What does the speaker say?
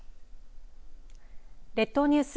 列島ニュース